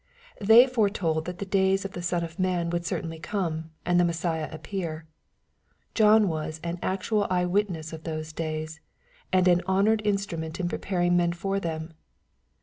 — They foretold that the days of the Son of man would certainly come, and the Messiah appear. John was an actual eye witness of those days, and an honored in strument in preparing men for them.